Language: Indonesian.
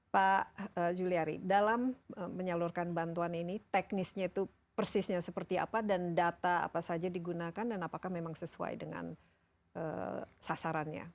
pak juliari dalam menyalurkan bantuan ini teknisnya itu persisnya seperti apa dan data apa saja digunakan dan apakah memang sesuai dengan sasarannya